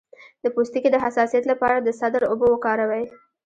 د پوستکي د حساسیت لپاره د سدر اوبه وکاروئ